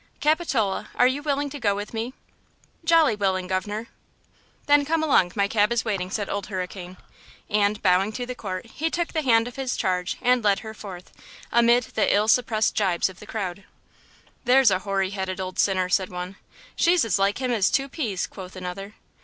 "Capitola, are you willing to go with me?" "Jolly willing, governor." "Then come along; my cab is waiting," said Old Hurricane, and, bowing to the court, he took the hand of his charge and led her forth, amid the ill suppressed jibes of the crowd. "There's a hoary headed old sinner!" said one. "She's as like him as two peas," quoth another.